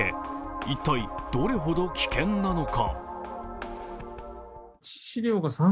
一体、どれほど危険なのか。